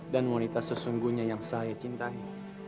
dan wanita sesungguhnya yang saya cintai